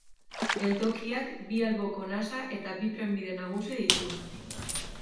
Geltokiak bi alboko nasa eta bi trenbide nagusi ditu.